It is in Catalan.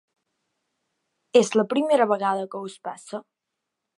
És la primera vegada que us passa?